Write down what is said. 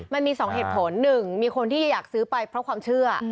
มันมี๒เหตุผลหนึ่งมีคนที่จะอยากซื้อไปเพราะความเชื่อ